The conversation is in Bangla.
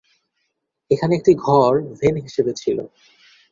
এখানে একটি ঘর ভেন হিসাবে ছিল।